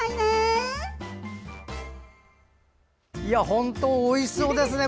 本当、おいしそうですね。